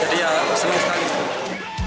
jadi ya seneng sekali